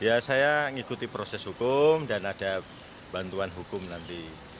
ya saya mengikuti proses hukum dan ada bantuan hukum nanti